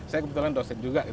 saya kebetulan dosen juga